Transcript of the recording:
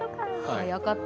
早かった。